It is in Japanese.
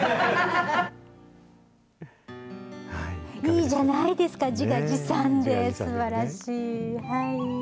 いいじゃないですか、自画自賛で、すばらしい。